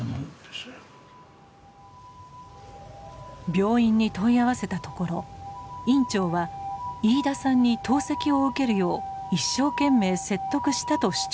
病院に問い合わせたところ院長は飯田さんに透析を受けるよう「一生懸命説得した」と主張しています。